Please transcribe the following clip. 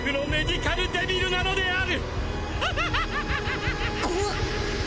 あっ。